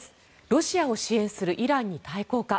ロシアを支援するイランに対抗か。